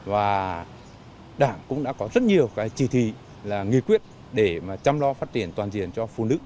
và đảng cũng đã có rất nhiều trì thị nghị quyết để chăm lo phát triển toàn diện cho phụ nữ